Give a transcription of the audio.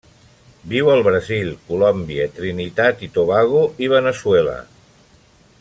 Viu al Brasil, Colòmbia, Trinitat i Tobago i Veneçuela.